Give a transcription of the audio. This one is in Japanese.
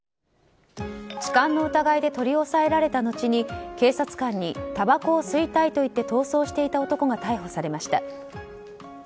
痴漢の疑いで取り押さえられた後に警察官にたばこを吸いたいと言って逃走していた男が逮捕されました。